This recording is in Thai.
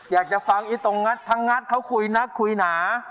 อยากจะฟังอีตรงงัดทั้งงัดเขาคุยนักคุยหนา